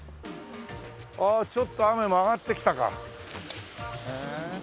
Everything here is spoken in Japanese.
ああちょっと雨も上がってきたか。